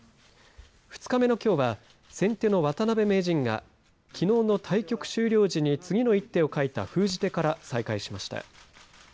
２日目のきょうは先手の渡辺名人がきのうの対局終了時に次の一手を書いた封じ手から再開しました。